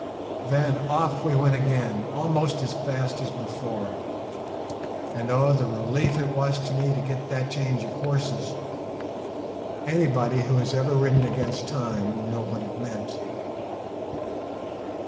Then off we went again, almost as fast as before; and oh, the relief it was to me to get that change of horses! Anybody who has ever ridden against time will know what it meant.